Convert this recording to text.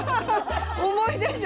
重いでしょ。